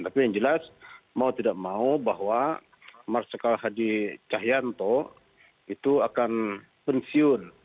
tapi yang jelas mau tidak mau bahwa marsikal hadi cahyanto itu akan pensiun